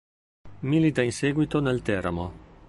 Milita in seguito nel Teramo.